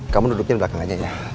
kamu duduk di belakang aja ya